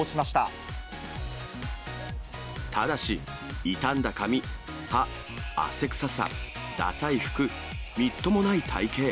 ただし、傷んだ髪、歯、汗臭さ、ダサい服、みっともない体形。